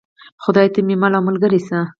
خدایه ته مې مل او ملګری شې.